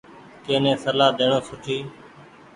ڪني سلآ ڏيڻو سوٺي۔